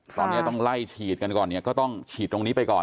ตอนนี้ต้องไล่ฉีดกันก่อนเนี่ยก็ต้องฉีดตรงนี้ไปก่อน